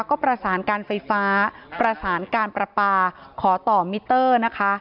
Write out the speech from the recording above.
ก็ประสานการไฟฟ้าประสานการประปาขอต่อมิเตอร์นะคะ